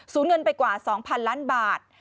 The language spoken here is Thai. เงินไปกว่า๒๐๐๐ล้านบาท